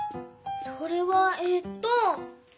それはええっと。